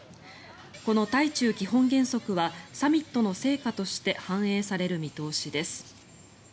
この対中基本原則はサミットの成果として反映される見通しです。